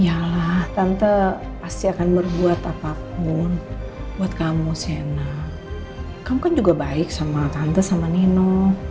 ya lah tante pasti akan berbuat apapun buat kamu sena kamu kan juga baik sama tante sama nino